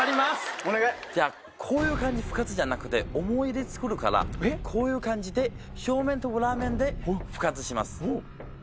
じゃあこういう感じに復活じゃなくて思い出作るからこういう感じで正面と裏面で復活します。